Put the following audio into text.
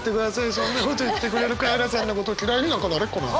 そんなこと言ってくれるカエラさんのことを嫌いになんかなれっこない。